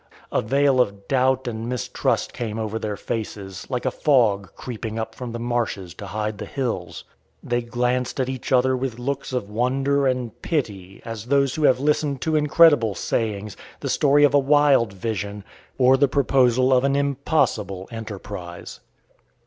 A veil of doubt and mistrust came over their faces, like a fog creeping up from the marshes to hide the hills. They glanced at each other with looks of wonder and pity, as those who have listened to incredible sayings, the story of a wild vision, or the proposal of an impossible enterprise.